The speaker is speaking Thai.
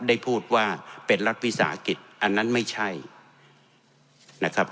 ได้พูดว่าเป็นรัฐวิสาหกิจอันนั้นไม่ใช่นะครับ